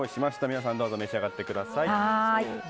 皆さん召し上がってください。